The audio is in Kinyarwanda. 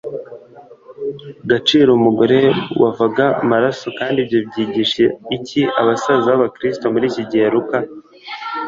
gaciro umugore wavaga amaraso kandi ibyo byigisha iki abasaza b abakriso muri iki gihe luka